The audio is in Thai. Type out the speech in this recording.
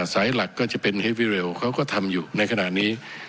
สายหลักก็จะเป็นเฮวิเรลเขาก็ทำอยู่ในขณะนี้